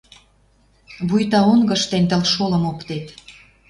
Вуйта онгыш тӹнь тылшолым оптет.